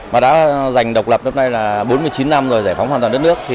mà đã giành độc lập lúc này là bốn mươi chín năm rồi giải phóng hoàn toàn đất nước